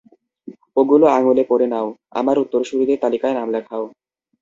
ওগুলো আঙুলে পরে নাও, আমার উত্তরসূরিদের তালিকায় নাম লেখাও!